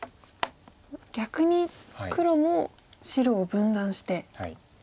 逆に黒も白を分断して。